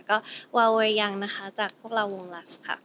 ก็วาวัยยังนะคะจากพวกเราวงรักค่ะ